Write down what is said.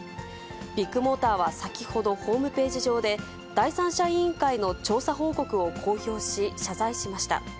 ビッグモーターは先ほど、ホームページ上で、第三者委員会の調査報告を公表し、謝罪しました。